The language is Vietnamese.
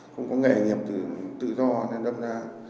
không có nghề nghiệp tự do nên đâm ra